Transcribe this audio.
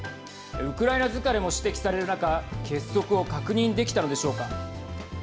ウクライナ疲れも指摘される中結束を確認できたのでしょうか。